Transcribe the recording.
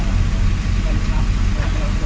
ก็เลือกครบเรานาคาพันธ์แล้วกัน